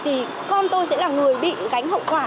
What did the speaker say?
thì con tôi sẽ là người bị gánh hậu quả